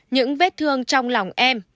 những vết thương trong lòng em